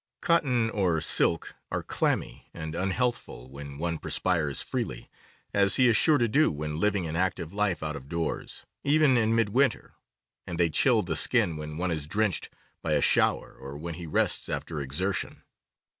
Cotton or silk are clammy and unhealthful when one perspires freely, as he is sure to do when living an active life out of doors, even in mid winter, and they chill the skin when one is drenched by a shower or when he rests after exertion.